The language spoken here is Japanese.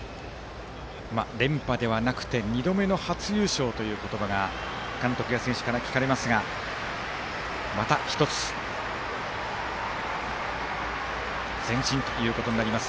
連覇ではなくて２度目の初優勝という言葉が監督や選手から聞かれますがまた１つ前進ということになります。